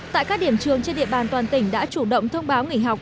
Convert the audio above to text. tại các điểm trường trên địa bàn toàn tỉnh đã chủ động thông báo nghỉ học